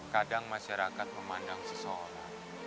kadang masyarakat memandang seseorang